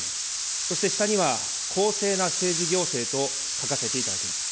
そして、下には公正な政治行政と書かせていただきました。